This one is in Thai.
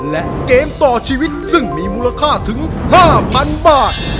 และเกมต่อชีวิตซึ่งมีมูลค่าถึง๕๐๐๐บาท